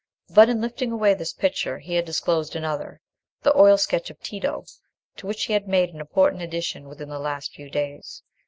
But in lifting away this picture, he had disclosed another—the oil sketch of Tito, to which he had made an important addition within the last few days.